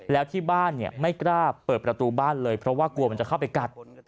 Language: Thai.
แล้วที่บ้านไม่กล้าเปิดประตูบ้านเลยเพราะว่ากลัวมันจะเข้าไปกัด